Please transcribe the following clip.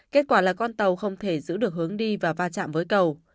kết quả là con tàu không thể giữ được hướng đi và va chạm với cầu